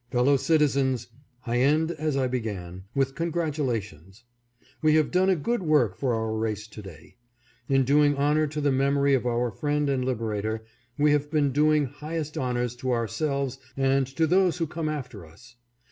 . Fellow citizens, I end as I began, with congratulations. We have done a good work for our race to day. In doing honor to the memory of our friend and liberator we have been doing highest honors to ourselves and to those who come after us.